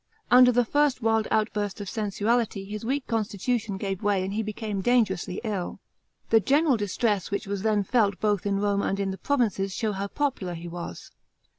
Under the first wild outburst of sensuality his weak constitution gave way and he became dangerously ill. The general distress which was then felt both in Rome and in the provinces shows how popular he was.